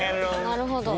なるほど。